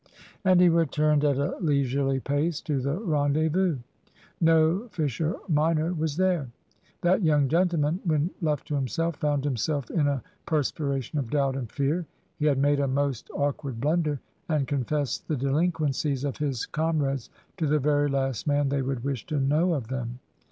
And he returned at a leisurely pace to the rendezvous. No Fisher minor was there! That young gentleman, when left to himself, found himself in a perspiration of doubt and fear. He had made a most awkward blunder, and confessed the delinquencies of his comrades to the very last man they would wish to know of them.